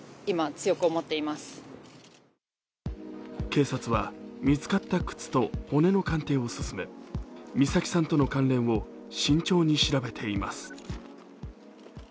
警察は、見つかった靴と骨の鑑定を進め美咲さんとの関連を慎重に調べています。